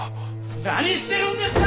何してるんですか！？